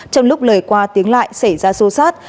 trong lúc lời qua tiếng lại xảy ra sô sát